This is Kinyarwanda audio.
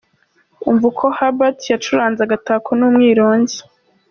Umva uko Herbert yacuranze ’Agatako’ n’umwirongi.